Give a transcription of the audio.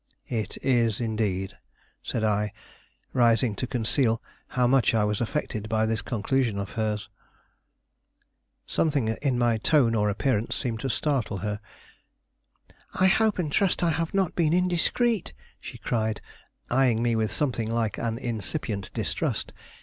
"It is, indeed," said I, rising to conceal how much I was affected by this conclusion of hers. Something in my tone or appearance seemed to startle her. "I hope and trust I have not been indiscreet," she cried, eying me with something like an incipient distrust.